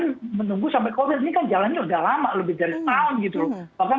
jangan menunggu sampai covid sembilan belas ini kan jalannya sudah lama lebih dari satu tahun